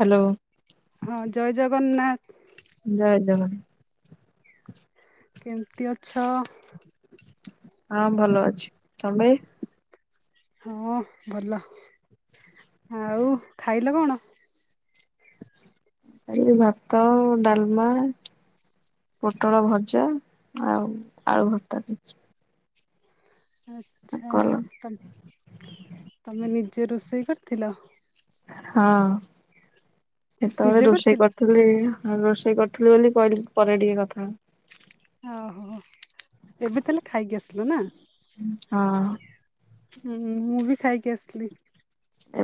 Hello ହଁ, ଜୟ ଜଗନ୍ନାଥ। ଜାହା ଜହାର [unintelligible] କେମତି ଅଛ? ହଁ ଭଲ ଅଛି, ତମେ? ହଁ ଭଲ, ଆଉ ଖାଇଲ କଣ? ଆ ଭାତ, ଡାଲମା ପୋଟଳ ଭଜା, ଆଉ ଆଳୁ ଭର୍ତା କିଛି ଆଛା, ତମେ ନିଜେ ରୋଷେଇ କରିଥିଲ? ହଁ, ସେତେବେଳେ ନିଜେ ରୋଷେଇ କରିଥିଲ? କରିଥିଲି, ଆ ରୋଷେଇ କରି ଥିଲୁ ବୋଲି, କହିଲି ପରେ ଟିକେ କଥା ଓହୋ। ଏବେ ତାହଲେ ଖାଇକି ଆସିଲ ନା? ହଁ ହୁଁ ମୁଁ ବି ଖାଇକି ଆସିଲି।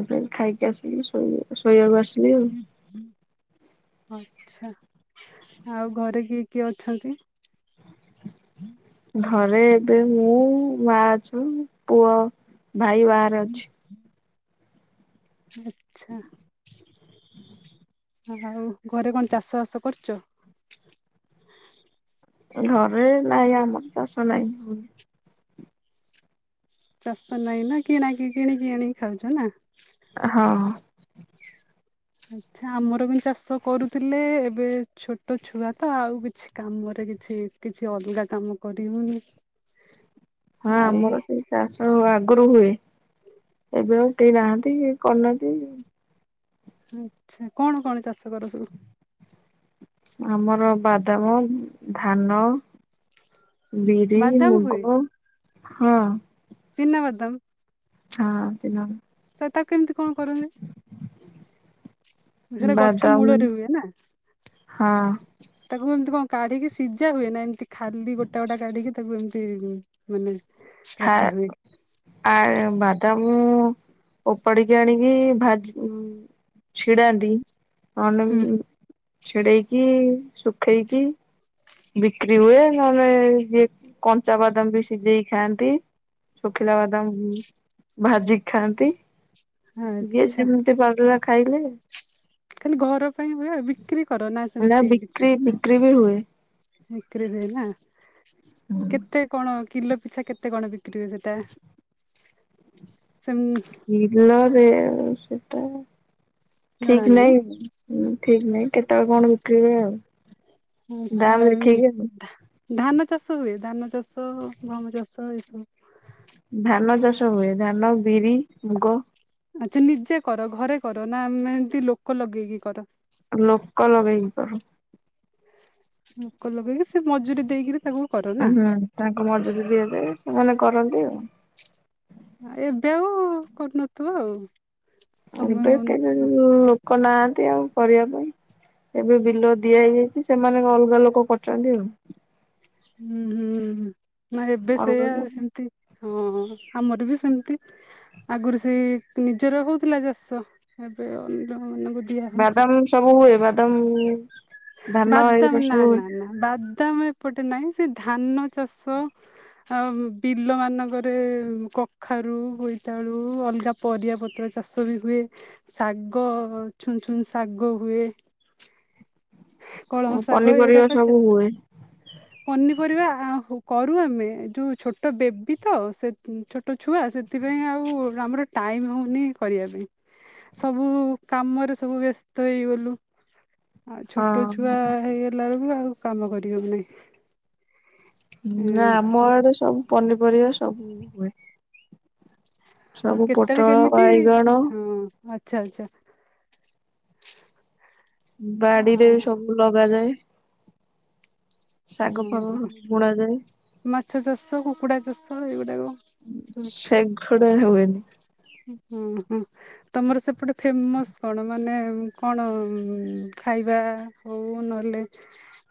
ଏବେ ଖାଇକି ଆସିକି ଶୋଇ, ଶୋଇବାକୁ ଆସିଲି। ଆଉ ହୁଁ ହୁଁ ଆଛା, ଆଉ ଘରେ କିଏ କିଏ ଅଛନ୍ତି? ହୁଁ [inaudible] ଘରେ ଏବେ, ମୁଁ, ମା ଅଛୁ, ପୁଅ, ଭାଇ ବାହାରେ ଅଛି ଆଚ୍ଛା। ଆଉ, ଘରେ କଣ ଚାଷ ବାସ କରୁଛ? ହ [inaudible] ଘରେ ନାଇଁ, ଆମର ଚାଷ ନାଇଁ ଚାଷ ନାଇଁ ନା, କିଣା କିଣିକି ଆଣିକି ଖାଉଛ ନା? ହଁ ଆଛା, ଆମର ବି ଚାଷ କରୁଥିଲେ, ଏବେ ଛୋଟ ଛୁଆ ତ, ଆଉ କିଛି କାମରେ କିଛି, କିଛି ଅଲଗା କାମ କରିିହଉନି। ହଁ ଆମର ସେଇ ଚାଷ ଆଗରୁ ହୁଏ, ଏବେ ଆଉ କେହି ନାହାନ୍ତି। କରନାନ୍ତି [unintelligible] ଆଛା, କଣ କଣ ଚାଷ କର ସବୁ? ଆମର ବାଦାମ, ଧାନ ବିରି, ବାଦାମ ମୁଗ, ହଁ ଚିିନାବାଦାମ୍ ହଁ ଚିନ ତ, ତାକୁ କେମିତି କଣ କରନ୍ତି? [inaudible] ସେଟା ଗଛ ବାଦାମ ମୂଳରେ ହୁଏ ନା, ହଁ ତାକୁ ଏମତି କଣ? କାଢିକି ସିଝା ହୁଏ ନା, ଏମତି ଖାଲି ଗୋଟା ଗୋଟା କାଢିକି ତାକୁ ଏମିତି ମାନେ ରଖା ହୁଏ ଆ, ବାଦାମ ମୁଁ ଉପାଡ଼ିକି ଆଣିକି ଭାଜି, ଛିଡାନ୍ତି ଆଣ୍ଡ ହୁଁ ଚଡ଼େଇ କି ସୁଖାଇ କି ବିକ୍ରି ହୁଏ, ନହାନେ ଯିଏ କଞ୍ଚା ବାଦାମ ବି ସିଝେଇ ଖାଆନ୍ତି। ଶୁଖିଲା ବାଦାମ ଭାଜି ଖାଆନ୍ତି। ଯିଏ ଆଚ୍ଛା ଯେମିତି ପାଇଲା, ଖାଇଲେ ଖାଲି ଘର ପାଇଁ ହୁଏ, ବିକ୍ରି କର ନା ସେମିତି ବିକ୍ରି ବିକ୍ରି ବି ହୁଏ। କିଛି ବିକ୍ରି ହୁଏ ନା, କେତେ କଣ? କିଲୋ ପିଛା କେତେ କଣ? ବିକ୍ର ହୁଏ ସେଟା ସେମ୍ କିଲରେ ସେଟା ଠିକ ନାହିଁ, ଠିକ ନାହିଁ, କେତେବେଳେ କଣ ବିକ୍ରିବେ ଆଉ ଦାମ ଆଛା। ଦେଖିକି ଆଉ। ଧାନ ଚାଷ ହୁଏ ଧାନ ଚାଷ ଗହମ ଚାଷ ଏ ସବୁ ଧାନ ଚାଷ ହୁଏ ଧାନ ବିରି ମୁଗ ଆଛା ନିଜେ କର ଘରେ କର ନାମେ ଏମତି ଲୋକ ଲଗେଇକି କର। ଲୋକ ଲଗେଇକି କରୁ। ଲୋକ ଲଗେଇକି ସେ ମଜୁରୀ ଦେଇକରି ତାକୁ କର ନା ହୁଁ ତାଙ୍କୁ ମଜୁରୀ ଦିବେ ସେମାନେ କରନ୍ତି ଆଉ। ଏବେ ଆଉ କରୁନଥିବ ଆଉ। ସମୟ ଏବେ କେ ହଉନଥିବ ଲୋକ ନାହାନ୍ତି ଆଉ କରିବା ପାଇଁ। ଏବେ ବିଲ ଦିଆ ହେଇଯାଇଛି ସେମାନେ ଅଲଗା ଲୋକ କରଛନ୍ତି ଆଉ। ହୁଁ ହୁଁ ନା ଏବେ ଅଲଗା ସେଇଆ ସେମତି ହଁଁ ଆମର ବି ସେମିତି ଆଗରୁ ସେ ନିଜର ହଉଥିଲା ଚାଷ ଏବେ ମାନଙ୍କୁ ଦିଆ ହଉଛି ବାଦାମ ସବୁ ହୁଏ ବାଦାମ ଧାନ ବାଦାମ ଏଗୁରା ନା ସବୁ ହୁଏ। ନା ନା ବାଦାମ ଏପଟେ ନାହିଁ ସେ ଧାନ ଚାଷ ବିଲ ମାନଙ୍କରେ ବୋଇତାଳୁ ଅଲଗା ପରିବା ପତ୍ର ଚାଷ ବି ହୁଏ ଶାଗ ଛ ଛୁ ଶାଗ ହୁଏ। କଳମ ଶାଗ ଏଇଟା ପନିପରିବା କରିଛ ସବୁ ହୁଏ ପନିପରିବା ଆ କରୁ ଆମେ ଯୋଉ ଛୋଟ ବେବି ତ ଛୋଟ ଛୁଆ ସେଥିପାଇଁ ଆଉ ଆମର ଟ ଟାଇମ୍ ହଉନି କରିବା ପାଇଁ। ସବୁ କାମରେ ସବୁ ବ୍ୟସ୍ତ ହେଇଗଲୁ। ଛୋଟ ଛୁଆ ହଁ। ହେଇଗଲା ବ ବି ଆଉ କାମ କରିହଉ ନାହିଁ। ନା ଆମ ଆଡେ ସବୁ ପନିପରିବା ସବୁ ହୁଏ। ସବୁ କେତେବେଳେ ପୋଟଳ କେମିତି ବାଇଗଣ ହଁ ଆଛା ଆଛା। ବାଡିରେ ସବୁ ଲଗାଯାଏ। ଶାଗ ଫାଗ ଓହୋ ସବୁ ବୁଣାଯାଏ। ମାଛ ଚାଷ କୁକୁଡା ଚାଷ ଏଗୁଡାକ ସେଗୁଡା ହୁଏନି। ହୁଁ ହୁଁ ତମର ସେପଟେ ଫେମସ କଣ ମାନେ କଣ ଖାଇ ଖାଇବା ହଉ ନହେଲେ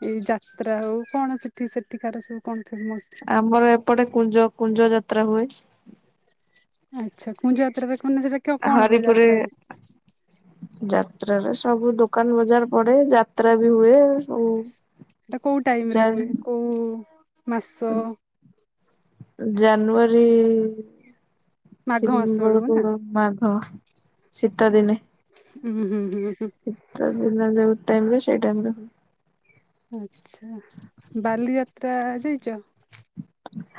ଏଇ ଯାତ୍ରା ହଉ କଣ ସେଠି ସେଠିକାର ସବୁ କଣ ଫେମସ୍? ଆମର ଏପଟେ କୁଞ୍ଜ କୁଞ୍ଜ ଯାତ୍ରା ହୁଏ। ଆଚ୍ଛା କୁଞ୍ଜ ଯାତ୍ରା ଦେଖୁନ ସେଟା କଣ ହୁଏ ହରିପୁରେ ଯାତ୍ରାରେ? ଯାତ୍ରାରେ ସବୁ ଦୋକାନ ବଜାର ପଡେ ଯାତ୍ରା ବି ହୁଏ। ସବୁ ସେଟା କୋଉ ଟାଇମ ରେ ଜାନ ହୁଏ କୋଉ ମାସ ଜାନୁଆରୀ ମାଘ ମାସ [unintelligible] ବେଳକୁ ନା? ହଁ ଶୀତ ହୁଁ ଦିନେ। ହୁଁ ହୁଁ ହୁଁ। ଶୀତ ଦିନ ଯୋଉ ଟାଇମ ସେ ଟାଇମ ରେ ହୁଏ। ଆଛା ବାଲିଯାତ୍ରା ଯାଇଛ।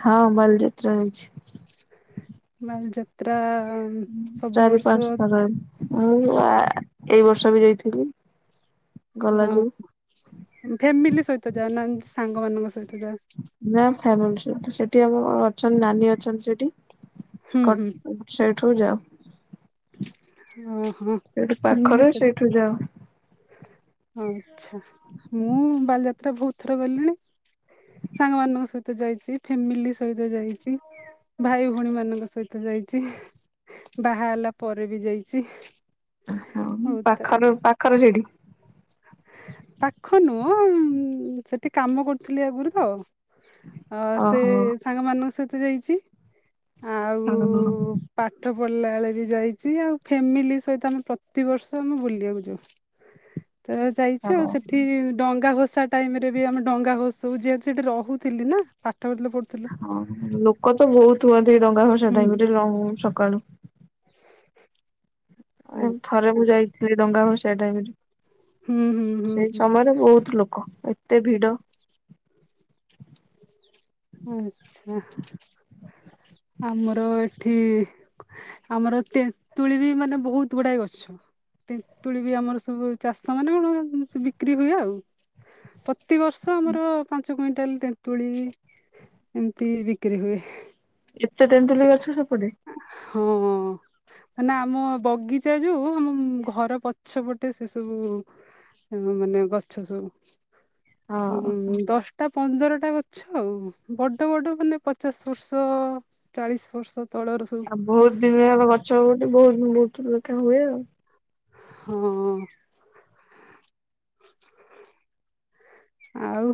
ହଁ ବାଲିଯାତ୍ରା ଯାଇଛି। ବାଲିଯାତ୍ରା ସବୁ ଚାରି ପାଞ୍ଚ ବର୍ଷ ଥର ମୁଁ ଏଇ ବର୍ଷ ବି ଯାଇଥିଲି। ଗଲା ହଁ ଯୋଉ ଫ୍ୟାମିଲି ସହିତ ଯାଉନାହାନ୍ତି ସାଙ୍ଗ ମାନଙ୍କ ସହିତ। ଯାଅ? ନା ଫ୍ୟାମିଲୀ ସହିତ ସେଠି ଆମ ଅଛନ୍ତି ନାନୀ ଅଛନ୍ତି ସେଠି ହୁଁ ହୁଁ ସେଇଠୁ ଯାଉ। ଓହୋ ସେଠୁ ପାଖରେ ସେଇଠୁ ଯାଅ। ଆଛା ମୁଁ ବାଲିଯାତ୍ରା ବହୁତ ଥର ଗଲିଣି। ସାଙ୍ଗ ମାନଙ୍କ ସହିତ ଯାଇଛି ଫ୍ୟାମିଲି ସହିତ ଯାଇଛି। ଭାଇ ଭଉଣୀ ମାନଙ୍କ ସହିତ ଯାଇଛି ବାହା ହେଲା ପରେ ବି ଯାଇଛି। ହଁ ବହୁତ ଥର ପାଖରେ ଯାଇଛି। ପାଖରେ ସେଇଠି। ପାଖ ନୁହ ସେଠି କାମ କରୁଥିଲି ଆଗରୁ ତ ଅ ସେ ଓହୋ ସାଙ୍ଗମାନଙ୍କ ସହିତ ଯାଇଚି ଆଉ ହଁ ପାଠ ପଢ ଗଲା ବେଳେ ବି ଯାଇଛି ଆଉ ଫ୍ୟାମିଲି ସହିତ ଆମେ ପ୍ରତିିବର୍ଷ ଆମେ ବୁଲିବାକୁ ଯାଉ। ତ ଯାଇଛି ଆଉ ସେଠି ଡଙ୍ଗା ଭସା ଟାଇମ ରେ ବି ଆମେ ଡଙ୍ଗା ଭଷାଉ ଯେହେତୁ ସେଠି ରହୁଥିଲି ନା ପା ହଁ ଲୋକ ତ ବହୁତ ହୁଅନ୍ତି ଡଙ୍ଗା ଭଷା ହୁଁ ଟାଇମ ହୁଁ ରେ ସକାଳୁ। ଥରେ ମୁଁ ଆଚ୍ଛା ଯାଇଥିଲି ଡଙ୍ଗା ଭସାଇବା ହୁଁ ହୁଁ ଟାଇମରେ ହୁଁ ସେଇ ସମୟରେ ବହୁତ ଲୋକ। ଏତେ ଭିଡ଼ ଆଚ୍ଛା ଆମର ଏଠି ଆମର ତେନ୍ତୁଳୀ ବି ମାନେ ବହୁତ ଗୁଡାଏ ଗଛ। ତେନ୍ତୁଳି ବି ଆମର ସବୁ ଚାଷ ମାନେ କଣ ବିକ୍ରି ହୁଏ ଆଉ। ପ୍ରତିବର୍ଷ ଆମର ପାଞ୍ଚ କୁଇଣ୍ଟାଲ ତେନ୍ତୁଳି ଏମିତି ବିକ୍ରି ହୁଏ। ଏତେ ତେନ୍ତୁଳି ଗଛ ସେପଟେ ହଁ ନା ଆମ ବଗିଚା ଯୋଉ ଆମ ଘର ପଛପଟେ ସେ ସବୁ ମାନେ ଗଛ ହଁ ସବୁ ଦଶଟା ପନ୍ଦରଟା ଗଛ ଆଉ ବଡ଼ ବଡ଼ ମାନେ ପଚାଶ ବର୍ଷ ଚାଳିଶି ବର୍ଷ ତଳର ସବୁ ଆଉ ବହୁତ ଦିନହେବ ଆଚ୍ଛା। ଗଛ ହୁଏ ବୋଲି ବୋହୁତ ବୋହୁତ ଲେଖା ହୁଏ ଆଉ। ହଁ ଆଉ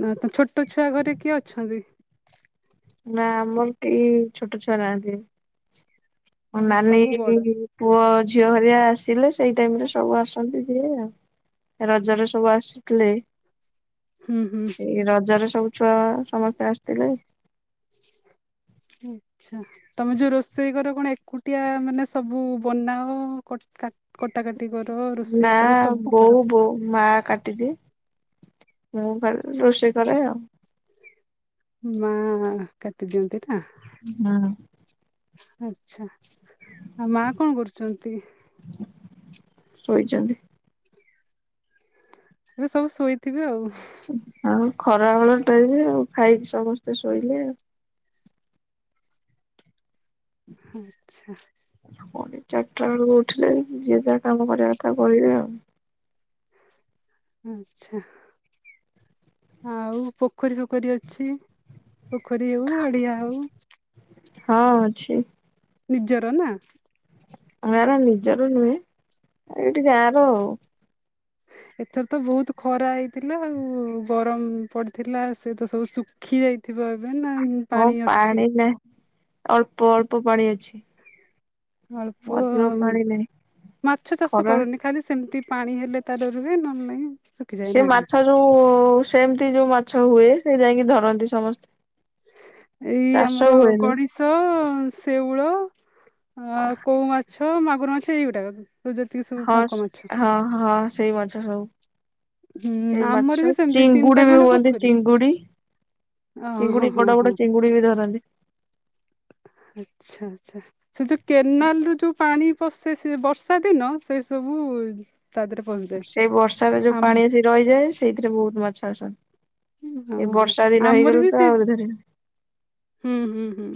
ନା ତ ଛୋଟ ଛୁଆ ଘରେ କିଏ ଅଛନ୍ତି? ନା ଆମର କେହି ଛୋଟ ଛୁଆ ନାହାନ୍ତି। ମୋ ନାନୀ ସବୁ ବଡ ପୁଅ ଝିଅ ହେରିକା ଆସି ଥିଲେ ସେଇ ଟାଇମରେ ସବୁ ଆସନ୍ତି ଯିଏ ଆଉ ରଜରେ ସବୁ ଆସିଥିଲେ। ହୁଁ ହୁଁ ସେଇ ରଜରେ ସବୁ ଛୁଆ ସମସ୍ତେ ଆସିଥିଲେ। ଆଛା ତମେ ଯୋଉ ରୋଷେଇ କର କଣ ଏକୁଟିଆ ମାନେ ସବୁ ବନାଅ କ କଟା କା ନା ବୋଉ ବୋଉ ମା କାଟିଦିଏ। ମୁଁ ଖାଲି ରୋଷେଇ କରେ ଆଉ। ମା କାଟିଦିଅନ୍ତି। ହଁ ଆଛା ଆଉ ମା କଣ କରୁଛନ୍ତି? ଶୋଇଛନ୍ତି। ଏବେ ସବୁ ଶୋଇଥିବେ ଆଉ। ଆଉ ଖରା ବେଳ ଟାଇମ ଆଉ ଖାଇକି ସମସ୍ତେ ଶୋଇଲେ ଆଉ ଆଚ୍ଛା ପୁଣି ଚାରିଟା ବେଳକୁ ଉଠିଲେ ଯିଏ ଯାହା କାମ କରିବା କଥା କରିବେ ଆଉ। ଆଛା ଆଉ ପୋଖରୀ ଫୋଖରୀ ଅଛି ପୋଖରୀ ହଉ ଗଡିଆ ହଉ ହଁ ଅଛି ନିଜର ନା [unintelligible] ନିଜର ନୁହେଁ ଏଠି ଗାଁ ର ଆଉ [inaudible] ଏଥର ତ ବହୁତ ଖରା ହେଇଥିଲା ଆଉ ଗରମ ପଡିଥିଲା ସେ ତ ସବୁ ଶୁଖି ଯାଇଥିବ ଏବେ ନା ହଁ ଅଛି ପାଣି ନାହିଁ ଅଳ୍ପ ଅଳ୍ପ ପାଣି ଅଛି। ଅଳ୍ପ ଅଧିକ ପାଣି ନାହିଁ ମାଛ ଚାଷ ଖରା କରନି ଖାଲି ସେମିତି ପାଣି ହେଲେ ତାଟ ରୁହେ ନହେଲେ ନାହିଁ। ସେ ମାଛ ଯୋଉ ସେମିତି ଯୋଉ ମାଛ ହୁଏ ସେ ଯାଇକି ଧରନ୍ତି ସମସ୍ତେ। ଏଇ ଚାଷ ଆମର ହୁଏନି ଗଡିଶ ଶେଉଳ। ଆ କଉ ମାଛ ମାଗୁର ମାଛ ଏଇଗୁଟାକ କି। ତ ଯେତିକି ସବୁ ହଁ ପଙ୍କ ମାଛ। ହଁ ହଁ ସେଇ ମାଛ ସବୁ ହୁଁ ସେଇ ଆମର ମାଛ ବି ସେମିତି ଚିଙ୍ଗୁଡି ତିନିଟା ବି ଖଣ୍ଡେ ହୁଅନ୍ତି ପୋଖରୀ ଚିଙ୍ଗୁଡି। ଓ ହଁ ଚିଙ୍ଗୁଡି ହଁ ବଡ ହଁ ବଡ ଚିଙ୍ଗୁଡି ବି ଧରନ୍ତି। ଆଚ୍ଛା ଆଛା ସେ ଯୋଉ କେନାଲ ରୁ ଯୋଉ ପାଣି ପସେ ସେ ବର୍ଷା ଦିନ ସେ ସବୁ। ହୁଏ। ସେଇ ବର୍ଷାରେ ଯୋଉ ପାଣି ଆସି ରହିଯାଏ ସେଇଥିରେ ବହୁତ ମାଛ ଆସନ୍ତି। ଏଇ ଓହୋ ବର୍ଷା ଦିନ ଆମର ହେଇଗଲେ ବି ତ ସେଇ ଆହୁରି ଧରିବେ ହୁଁ ହୁଁ ହୁଁ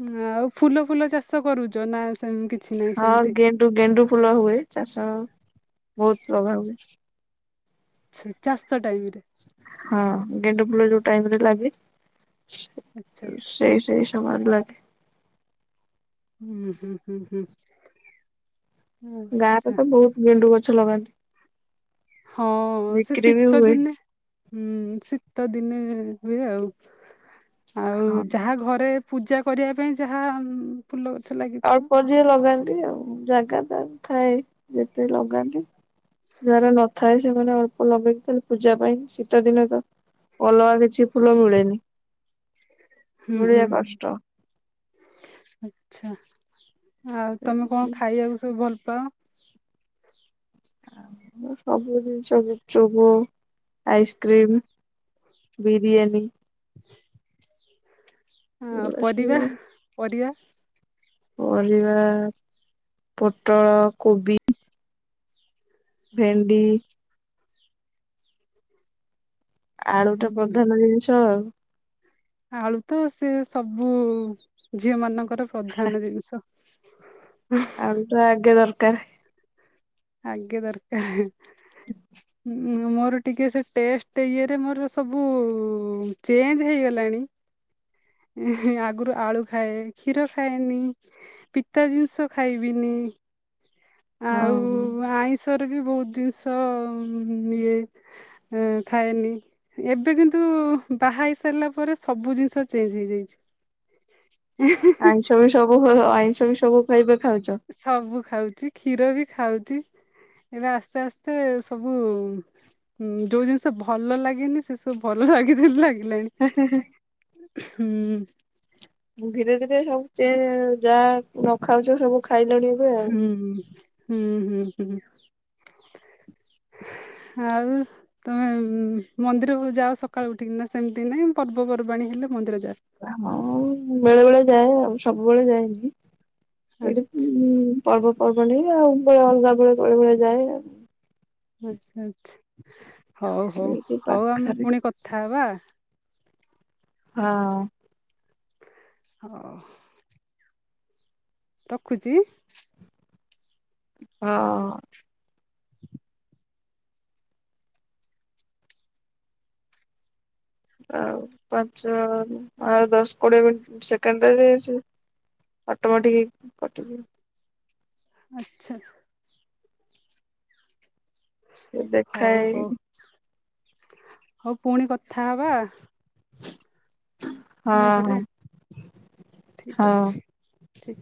ହୁଁ। ଆଉ ଫୁଲ ଫୁଲ ଚାଷ କରୁଛ ନା ସେମତି। ହଁ ଗେଣ୍ଡୁ ଗେଣ୍ଡୁ ଫୁଲ ହୁଏ ଚାଷ। ବହୁତ ଲଗାହୁଏ। ଚାଷ ଟାଇମରେ। ହଁ ଗେଣ୍ଡୁ ଫୁଲ ଯୋଉ ଟାଇମ ରେ ଲାଗେ। ଆଚ୍ଛା ଆଚ୍ଛା। [unintelligible] ହୁଁ ହୁଁ ହୁଁ ହୁଁ। ଗାଁ ରେ ଆଚ୍ଛା ତ ବହୁତ ଗେଣ୍ଡୁ ଗଛ ଲଗାନ୍ତି। ହଁ ସେ ବିକ୍ରି ବି ଶୀତ ହୁଏ। ଦିନେ ହୁଁ ଶୀତ ଦି ଦିନେ ହୁଏ ଆଉ ଆଉ ହଁ ଯାହା ଘରେ। ପୂଜା କରିବା ପାଇଁ ଯାହା ଫୁଲ। ଗଛ ଲାଗିଥିବ ଅଳ୍ପ ଯିଏ ଲଗାନ୍ତି ଆଉ ଜାଗା ପାଇଁ ଥାଏ ଯେତେ ଲଗାନ୍ତି। ଯାଆ ର ନଥା ଏ। ସେମାନେ ଅଳ୍ପ ଲଗେଇକି ଖାଲି ପୂଜା ପାଇଁ ଶୀତ ଦିନ ତ ଅଲଗା କିଛି। ଫୁଲ ମିଳେନି। ହୁଁ ହୁଁ ମିଳିବା କଷ୍ଟ। ହୁଁ ଆଚ୍ଛା। ଆଉ ତମେ କଣ ଖାଇବାକୁ ସବୁ ଭଲ ପାଅ। ଆମେ ସବୁ ଜିନିଷ ଗୁପଚୂପୁ ଆଇସ୍କ୍ରିମ। ବିରିୟାନୀ। ହଁ ଏଗୁଡା ପରିବା ସବୁ ପରିବା। ପରିବା ପୋଟଳ କୋବି। ଭେଣ୍ଡି। ଆଳୁ ଟା ପ୍ରଧାନ ଜିନିଷ ଆଉ। ଆଳୁ ତ ସେ ସବୁ ଝିଅ ମାନଙ୍କର ପ୍ରଧାନ ଜିନିଷ। ଆଳୁ ଟା ଆଗେ ଦରକାର। ଆଗେ ଦରକାର। ମୋର ଟିକେ ସେ ଟେଷ୍ଟ ଇଏରେ ମୋର ସବୁ ଚେଞ୍ଜ ହେଇଗଲା ଣି। ଆଗରୁ ଆଳୁ ଖାଏ କ୍ଷୀର ଖାଏନି ପିତା ଜିନିଷ ଖାଇବିନି। ହ ହଁ। ଷରେ ବି ବହୁତ ଜିନିଷ ଇଏ ଖାଏନି ଏବେ କିନ୍ତୁ। ନ୍ତୁ ବାହା ହେଇ ସାରିଲା ପରେ ସବୁ ଜିନିଷ ଚେଞ୍ଜ ହେଇ ଯାଇଛି। ଆଇଁଷ ବି ସବୁ ହୁ ହୁ ଆଇଁଷ ସବୁ ଖାଇବାକୁ ସବୁ ଖାଉଛି କ୍ଷୀର ବି ଖାଉଚି। ଏବେ ଆସ୍ତେ ଆସ୍ତେ ସବୁ। ହୁଁ ଯୋଉ ଜିନିଷ ଭଲ ଲାଗେନି ସେ ସବୁ ଭଲ ଲା [unintelligible] ଲାଗେ ଣି ହୁଁ। ଧୀରେ ଧୀରେ ସବୁ ଚେ ଯାହା ନ ଖାଉଚ ସବୁ ଖାଇଲଣି ଏବେ ଆଉ। ହୁଁ ହୁଁ ହୁଁ ହୁଁ। ଆଉ ତମେ ମନ୍ଦିରକୁ ଯାଅ ସକାଳୁ ଉଠିକିନା ସେମିତି ନାଇଁ ପର୍ବପର୍ବାଣୀ ହେଲେ ମନ୍ଦିର ଯାଅ ହଁ ବେଳେ ବେଳେ ଯାଏ ଆଉ ସବୁବେଳେ ଯାଏ [unintelligible] ଆଚ୍ଛା ଏଇଠୀ ପର୍ବପର୍ବଣି ଆଉ ଉପ ଉପରେ ଅଲଗା ବ ବଳେ ଯାଏ ଆଉ। ଆଚ୍ଛା ଆଚ୍ଛା ହୋଉ ହୋଉ ଏଇଠି ହୋଉ ଆମେ ପାଖରେ ପୁଣି କଥା ହେବା। ହଁ। ହଁ। ରଖୁଛି। ହଁ। ଆଉ ପାଞ୍ଚ ଆ ଦଶ କୋଡିଏ ମି ସେକେଣ୍ଡରେ ହୋଇଚି। ଅଟମ ଟିକେ କଟିଯିବ। ଆଚ୍ଛା। ସେ ଦେଖାଏ ହୋଉ ପୁଣି କଥା ହବା। ହଁ ପୁଣି ଥରେ ହଁ ଠିକ ହଁ। ଅଛି ଠି